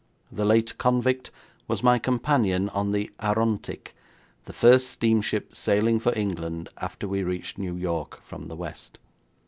The late convict was my companion on the Arontic, the first steamship sailing for England after we reached New York from the west.